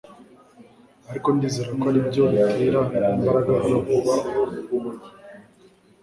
ariko ndizera ko aribyo bitera imbaraga zose